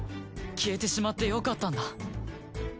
消えてしまってよかったんだ。